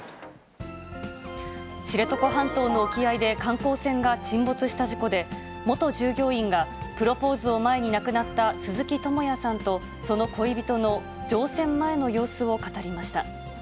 知床半島の沖合で、観光船が沈没した事故で、元従業員が、プロポーズを前に亡くなった鈴木智也さんとその恋人の乗船前の様